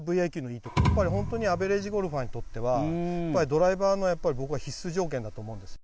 本当にアベレージゴルファーにとってはドライバーは必須条件だと思います。